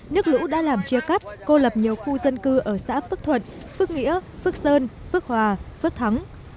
nước lũ đã làm chia cắt cô lập nhiều khu dân cư ở xã phước thuận phước nghĩa phước sơn phước hòa phước thắng